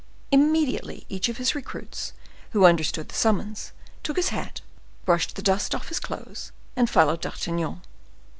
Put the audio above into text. Immediately each of the recruits, who understood the summons, took his hat, brushed the dust off his clothes, and followed D'Artagnan.